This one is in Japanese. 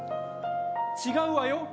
違うわよ